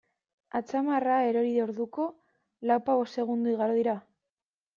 Atzamarra erori orduko, lauzpabost segundo igaro dira?